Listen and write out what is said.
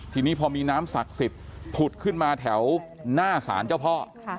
ทีนี้พอมีน้ำศักดิ์สิทธิ์ผุดขึ้นมาแถวหน้าศาลเจ้าพ่อ